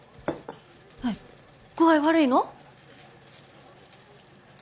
アイ具合悪いの？